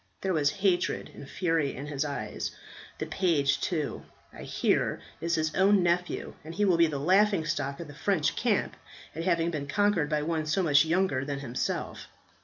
There was hatred and fury in his eye. The page too, I hear, is his own nephew, and he will be the laughing stock of the French camp at having been conquered by one so much younger than himself.